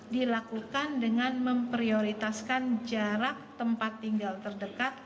dilakukan dengan memprioritaskan jarak tempat tinggal terdekat